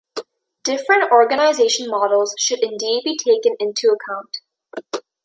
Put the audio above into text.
Different organization models should indeed be taken into account.